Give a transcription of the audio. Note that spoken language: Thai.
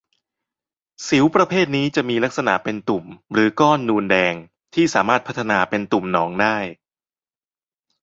สิวประเภทนี้จะมีลักษณะเป็นตุ่ม หรือก้อนนูนแดงที่สามารถพัฒนาเป็นตุ่มหนองได้